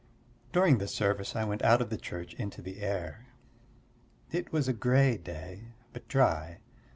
During the service I went out of the church into the air: it was a grey day, but dry.